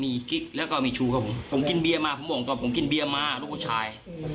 มีกิ๊กแล้วก็มีชูครับผมผมกินเบียร์มาผมบอกว่าผมกินเบียร์มาลูกผู้ชาย